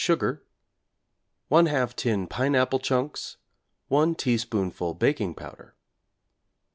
sugar, 1/2 tin pineapple chunks, 1 teaspoonful baking powder.